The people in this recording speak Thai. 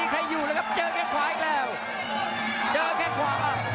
ใคร๗๕คนละครับโดยเพลงก็ไม่มีชอบกัมมครับ